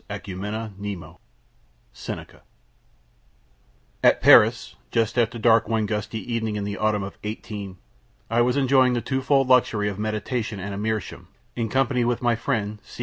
] Edgar Allan Poe (1809 1849) At Paris, just after dark one gusty evening in the autumn of 18 , I was enjoying the twofold luxury of meditation and a meerschaum, in company with my friend, C.